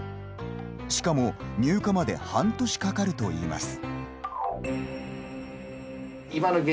しかも、入荷まで半年かかるといいます。